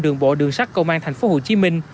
đường bộ đường sắt công an tp hcm